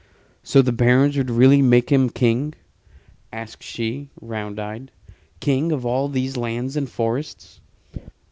"So the barons would really make him King?" asked she, round eyed: "King of all these lands and forests?"